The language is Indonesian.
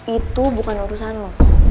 itu bukan urusan lo